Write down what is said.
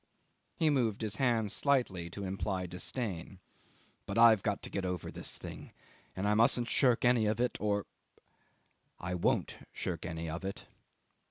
..." He moved his hand slightly to imply disdain. "But I've got to get over this thing, and I mustn't shirk any of it or ... I won't shirk any of it."